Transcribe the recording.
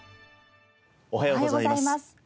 おはようございます。